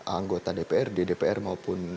anggota dpr ddpr maupun